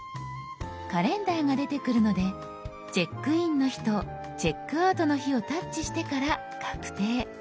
カレンダーが出てくるのでチェックインの日とチェックアウトの日をタッチしてから「確定」。